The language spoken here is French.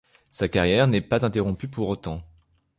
Sa carrière n'est pas interrompue pour autant.